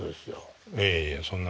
いやいやそんな。